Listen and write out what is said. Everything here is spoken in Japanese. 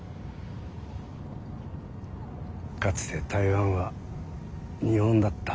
かつて台湾は日本だった。